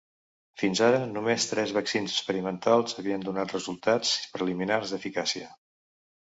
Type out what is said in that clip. Fins ara només tres vaccins experimentals havien donat resultats preliminars d’eficàcia.